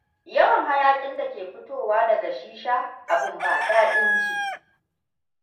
Yawan hayaƙin da ke fitowa daga shisha abin ba daɗin ji.